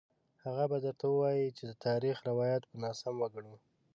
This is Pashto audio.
هغه به درته ووايي چې د تاریخ روایت به ناسم وګڼو.